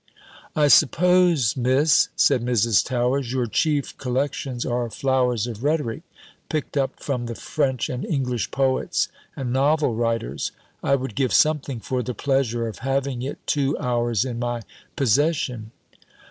"I suppose, Miss," said Mrs. Towers, "your chief collections are flowers of rhetoric, picked up from the French and English poets, and novel writers. I would give something for the pleasure of having it two hours in my possession."